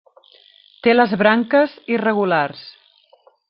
Té les branques irregulars.